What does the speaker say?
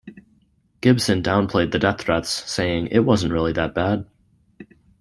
Gibson downplayed the death threats, saying, It wasn't really that bad.